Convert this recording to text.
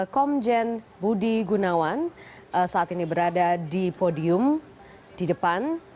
komjen budi gunawan saat ini berada di podium di depan